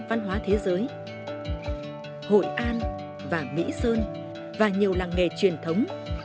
nam trung bộ đây là quê hương của hai di sản văn hóa thế giới hội an và mỹ sơn và nhiều làng nghề truyền thống